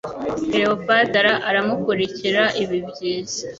Cleopatra aramukurikira ibi byiza